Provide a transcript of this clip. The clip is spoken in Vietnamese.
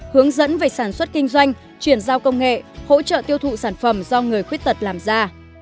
hướng dẫn về sản xuất kinh doanh chuyển giao công nghệ hỗ trợ tiêu thụ sản phẩm do người khuyết tật làm ra